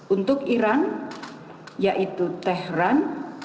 untuk iran yaitu tehran